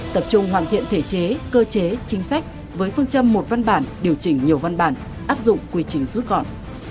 tập trung hoàn thiện thể chế cơ chế chính sách với phương châm một văn bản điều chỉnh nhiều văn bản áp dụng quy trình rút gọn